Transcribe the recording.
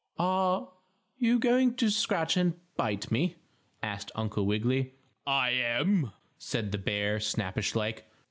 "Are are you going to scratch and bite me?" asked Uncle Wiggily. "I am," said the bear, snappish like.